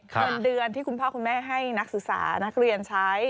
เงินเดือนที่คุณพ่อคุณแม่ให้นักศึกษานักเรียนใช้